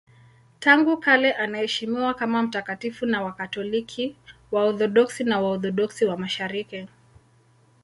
Tangu kale anaheshimiwa kama mtakatifu na Wakatoliki, Waorthodoksi na Waorthodoksi wa Mashariki.